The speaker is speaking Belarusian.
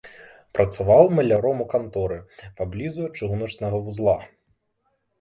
Працаваў маляром у канторы паблізу ад чыгуначнага вузла.